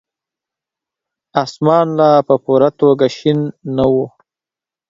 اسمان لا په پوره توګه شين نه وو.